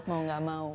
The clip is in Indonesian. mau gak mau